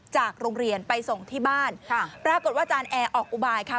จากโรงเรียนไปส่งที่บ้านค่ะปรากฏว่าอาจารย์แอร์ออกอุบายค่ะ